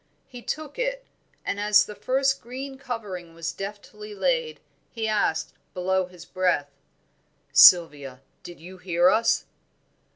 He took it, and as the first green covering was deftly laid, he asked, below his breath "Sylvia, did you hear us?"